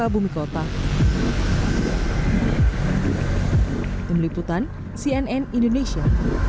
pemiliputan cnn indonesia